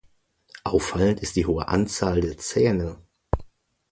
Auffallend ist die hohe Anzahl der Zähne.